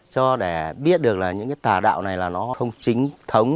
cho để biết được là những cái tà đạo này là nó không chính thống